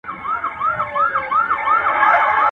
چي پر زړه مي د غمونو غوبل راسي.